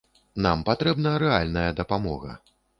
Нам патрэбна рэальная дапамога.